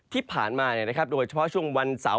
ทานมานะครับโดยเฉพาะช่วงวันเสาร์